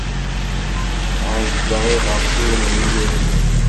Ɛezleɣ iɣersiwen-nni yuḍnen.